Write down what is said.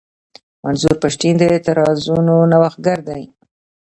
منظور پښتين د اعتراضونو نوښتګر دی.